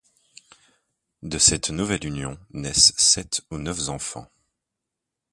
De cette nouvelle union naissent sept ou neuf enfants.